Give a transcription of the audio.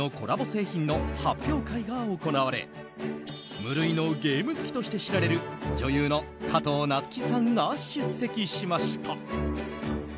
製品の発表会が行われ無類のゲーム好きとして知られる女優の加藤夏希さんが出席しました。